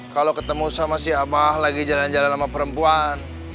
kalau ketemu sama si abah lagi jalan jalan sama perempuan